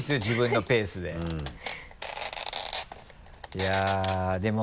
いやでも。